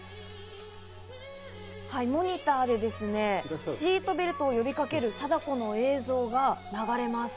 はい、モニターでですね、シートベルトを呼びかける貞子の映像が流れます。